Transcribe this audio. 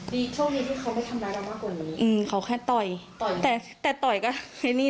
ดีช่วงนี้ที่เขาไม่ทำร้ายรามากกว่านี้